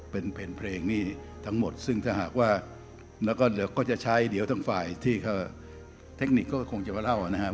เป็นเพลงนี้ทั้งหมดซึ่งถ้าหากว่าแล้วก็เหลือก็จะใช้เดี๋ยวทางฝ่ายที่เทคนิคก็คงจะมาเล่านะครับ